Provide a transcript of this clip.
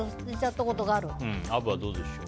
アブはどうでしょう？